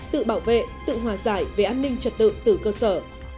tự bảo vệ tự hòa giải về an ninh trật tự từ cơ sở